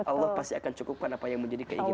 allah pasti akan cukupkan apa yang menjadi keinginan